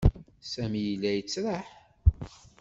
Sami yella yettraḥ.